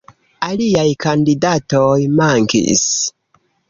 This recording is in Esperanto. Aliaj kandidatoj mankis.